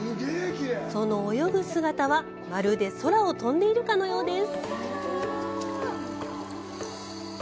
その泳ぐ姿は、まるで空を飛んでいるかのようです。